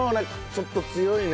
ちょっと強いね。